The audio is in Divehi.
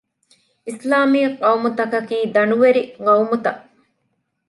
އިސްލާމީ ޤައުމުތަކަކީ ދަނޑުވެރި ޤައުމުތައް